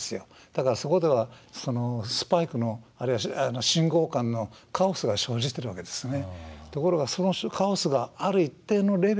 だからそこではスパイクのあるいは信号間のカオスが生じているわけですね。